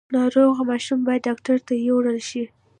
ناروغه ماشوم باید ډاکټر ته یووړل شي۔